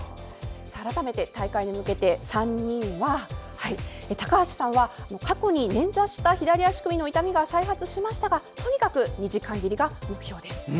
改めて大会に向けて３人は高橋さんは、過去に捻挫した左足首の痛みが再発しましたがとにかく２時間切りが目標です。